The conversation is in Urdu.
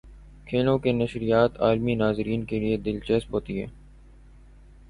کھیلوں کی نشریات عالمی ناظرین کے لیے دلچسپ ہوتی ہیں۔